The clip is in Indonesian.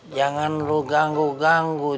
jangan lo ganggu ganggu